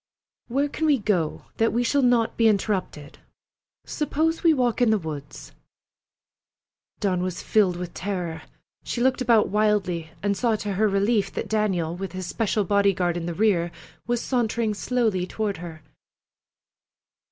"Where can we go that we shall not be interrupted? Suppose we walk in the woods?" Dawn was filled with terror. She looked about wildly, and saw to her relief that Daniel, with his special bodyguard in the rear, was sauntering slowly toward her.